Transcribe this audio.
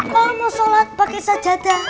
kalau mau sholat pakai sajadah